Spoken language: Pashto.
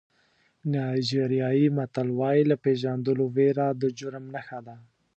نایجیریایي متل وایي له پېژندلو وېره د جرم نښه ده.